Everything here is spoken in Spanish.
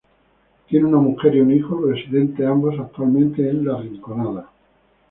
Tiene una mujer y un hijo, residentes ambos actualmente en La Rinconada.